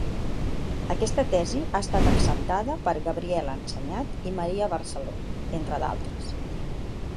Aquesta tesi ha estat acceptada per Gabriel Ensenyat i Maria Barceló, entre altres.